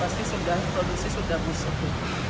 pasti produksi sudah musuh